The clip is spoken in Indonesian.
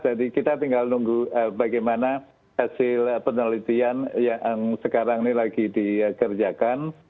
jadi kita tinggal nunggu bagaimana hasil penelitian yang sekarang ini lagi dikerjakan